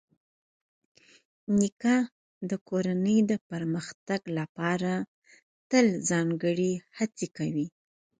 نیکه د کورنۍ د پرمختګ لپاره تل ځانګړې هڅې کوي.